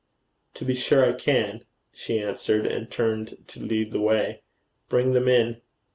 'To be sure I can,' she answered, and turned to lead the way. 'Bring them in.'